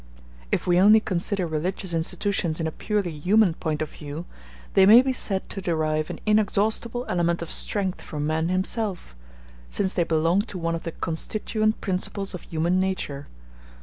If we only consider religious institutions in a purely human point of view, they may be said to derive an inexhaustible element of strength from man himself, since they belong to one of the constituent principles of human nature.